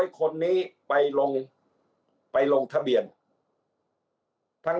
๙๐๐คนนี้ไปลงทะเบียน